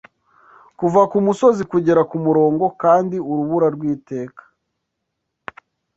kuva kumusozi kugera kumurongo Kandi urubura rwiteka